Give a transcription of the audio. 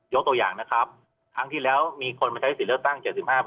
ตัวอย่างนะครับครั้งที่แล้วมีคนมาใช้สิทธิ์เลือกตั้ง๗๕